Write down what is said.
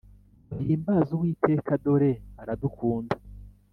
muhimbaze uwiteka dore aradukunda.